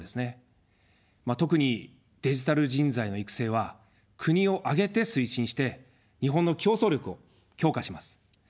特にデジタル人材の育成は国を挙げて推進して、日本の競争力を強化します。